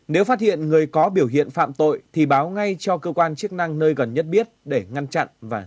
nếu phát hiện người có biểu hiện phạm tội thì báo ngay cho cơ quan chức năng nơi gần nhất biết để ngăn chặn và xử lý